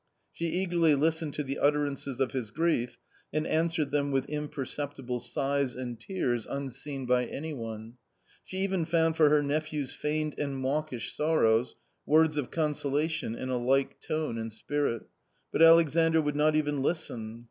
^ She eagerly listened to the utterances of his grief, and an w .reFed them with imperceptible sighs and tears unseen by any one. * *She even found for her nephew's feigned and mawkish sorrows, words of consolation in a like tone and spirit ; but Alexandr would not even listen.